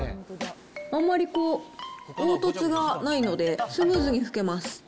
あんまりこう、凹凸がないので、スムーズに拭けます。